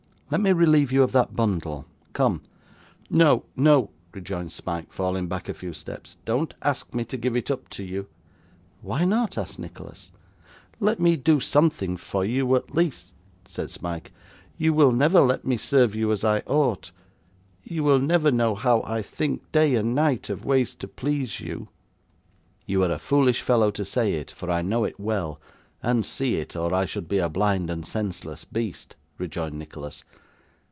Let me relieve you of that bundle! Come!' 'No, no,' rejoined Smike, falling back a few steps. 'Don't ask me to give it up to you.' 'Why not?' asked Nicholas. 'Let me do something for you, at least,' said Smike. 'You will never let me serve you as I ought. You will never know how I think, day and night, of ways to please you.' 'You are a foolish fellow to say it, for I know it well, and see it, or I should be a blind and senseless beast,' rejoined Nicholas.